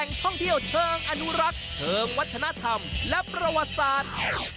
ท่องเที่ยวเชิงอนุรักษ์เชิงวัฒนธรรมและประวัติศาสตร์